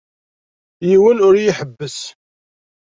Yiwen ur iyi-iḥebbes.